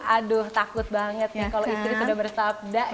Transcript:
aduh takut banget nih kalau istri sudah bersabda